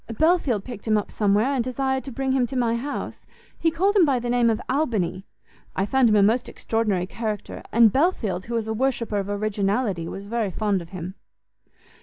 Belfield picked him up somewhere, and desired to bring him to my house: he called him by the name of Albany: I found him a most extraordinary character, and Belfield, who is a worshipper of originality, was very fond of him."